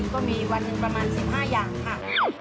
ก็มีประมาณ๑๕อย่างค่ะ